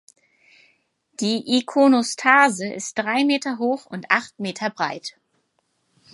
Die Ikonostase ist drei Meter hoch und acht Meter breit.